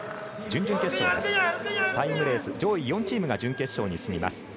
タイムレース上位４チームが準決勝に進みます。